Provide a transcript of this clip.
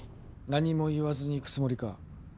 何も言わずに行くつもりか？